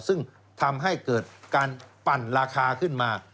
ซึ่งทำให้เกิดการปั่นราคาขึ้นมา